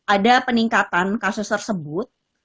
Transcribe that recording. ada peningkatan kasus tersebut